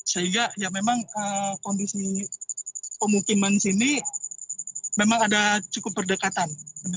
sehingga ya memang kondisi pemukiman sini memang ada cukup berdekatan